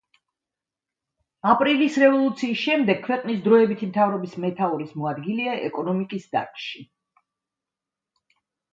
აპრილის რევოლუციის შემდეგ ქვეყნის დროებითი მთავრობის მეთაურის მოადგილეა ეკონომიკის დარგში.